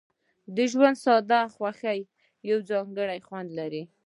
د ژوند ساده خوښۍ یو ځانګړی خوند لري.